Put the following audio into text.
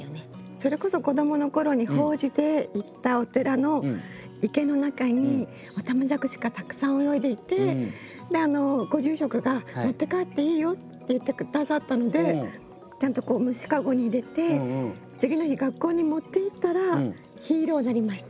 それこそ子どもの頃に法事で行ったお寺の池の中におたまじゃくしがたくさん泳いでいてご住職が「持って帰っていいよ」って言って下さったのでちゃんと虫かごに入れて次の日学校に持っていったらヒーローになりました。